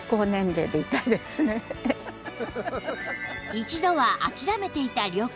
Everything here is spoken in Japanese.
一度は諦めていた旅行